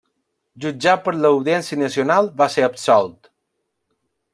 Jutjat per l'Audiència Nacional va ser absolt.